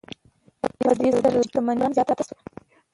په دې سره د دوی شتمنۍ نورې هم زیاتې شوې